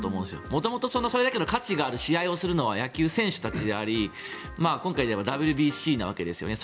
元々、それだけの価値がある試合をするのは野球選手たちであり今回でいえばＷＢＣなわけですよね。